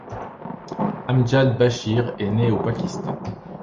Amjad Bashir est né au Pakistan.